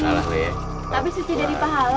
tapi suci jadi pahala